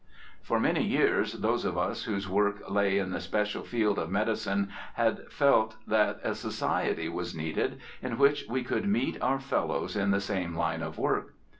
For many years those of us whose work lay in the special field of medicine had felt that a society was needed in which we could meet our fellows in the same line of work.